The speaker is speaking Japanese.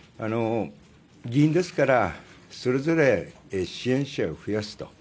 議員ですから、それぞれ支援者を増やすと。